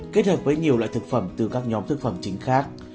kết hợp với nhiều loại thực phẩm từ các nhóm thực phẩm chính khác